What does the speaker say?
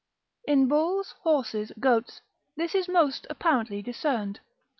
In bulls, horses, goats, this is most apparently discerned.